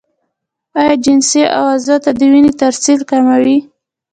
او جنسي عضو ته د وينې ترسيل کموي